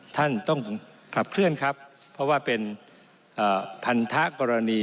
ท่านต้องขับเคลื่อนครับเพราะว่าเป็นพันธกรณี